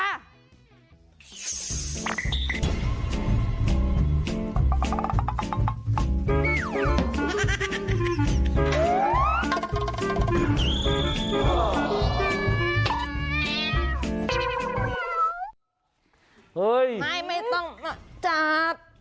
ไม่ต้องมาจับ